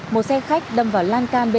một xe khách đâm vào lan can bến